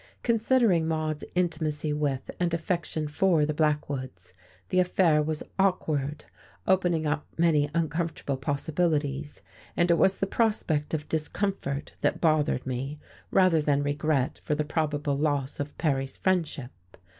Considering Maude's intimacy with and affection for the Blackwoods, the affair was awkward, opening up many uncomfortable possibilities; and it was the prospect of discomfort that bothered me rather than regret for the probable loss of Perry's friendship.